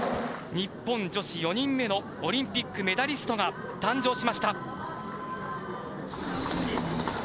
日本女子４人目のオリンピックメダリストが誕生しました。